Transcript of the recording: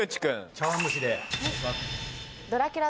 茶碗蒸しで。